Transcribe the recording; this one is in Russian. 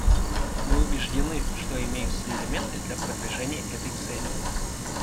Мы убеждены, что имеются элементы для продвижения этой цели.